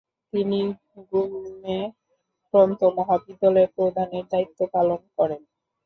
তিনি গ্যুমে তন্ত্র মহাবিদ্যালয়ের প্রধানের দায়িত্ব পালন করেন।